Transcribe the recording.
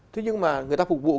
thế nhưng mà người ta phục vụ